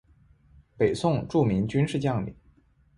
北宋著名军事将领。